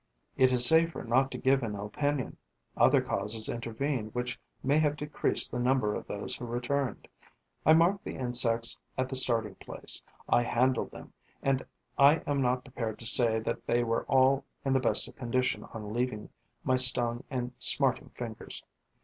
It is safer not to give an opinion: other causes intervened which may have decreased the number of those who returned. I marked the insects at the starting place; I handled them; and I am not prepared to say that they were all in the best of condition on leaving my stung and smarting fingers.